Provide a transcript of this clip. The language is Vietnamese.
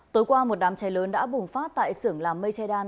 tối qua một đám cháy lớn đã bùng phát tại sưởng làm mây che đan